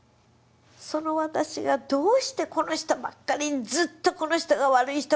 その私がどうしてこの人ばっかりにずっと「この人が悪い人